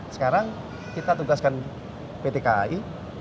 sekarang kita tugaskan pt kai